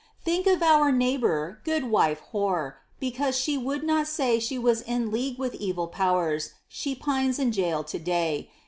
"Think of our neighbor, Goodwife Hoar; because she would not say She was in league with evil powers, she pines in jail to day.